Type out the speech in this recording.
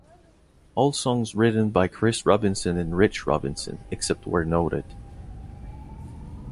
All songs written by Chris Robinson and Rich Robinson, except where noted.